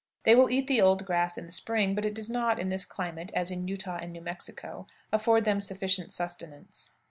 They will eat the old grass in the spring, but it does not, in this climate, as in Utah and New Mexico, afford them sufficient sustenance.